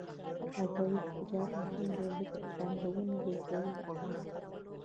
آزاد تجارت مهم دی ځکه چې پانګونه جذبوي.